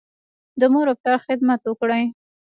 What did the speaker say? د مور او پلار خدمت وکړئ.